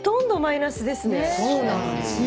そうなんですね。